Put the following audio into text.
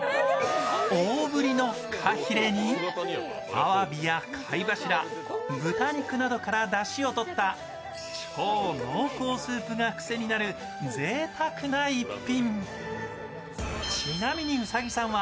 大ぶりのフカヒレにあわびや貝柱、豚肉などからだしをとった超濃厚スープが癖になるぜいたくな逸品。